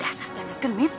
dasar jangan deketin